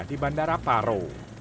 di bandara paro